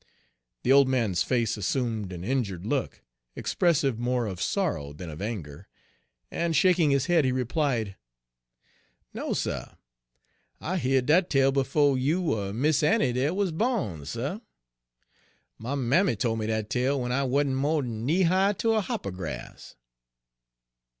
The old man's face assumed an injured look, expressive more of sorrow than of anger, and shaking his head he replied: "No, suh, I heared dat tale befo' you er Mis' Annie dere wuz bawn, suh. My mammy tol' me dat tale w'en I wa'n't mo'd'n knee high ter a hopper grass."